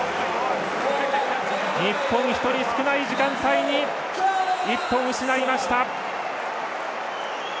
日本、１人少ない時間帯に１本、失いました。